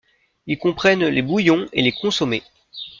Ils comprennent les bouillons et les consommés.